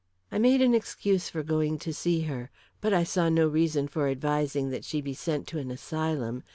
I made an excuse for going to see her. But I saw no reason for advising that she be sent to an asylum.